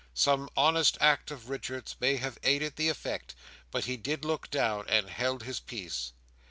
Some honest act of Richards's may have aided the effect, but he did look down, and held his peace.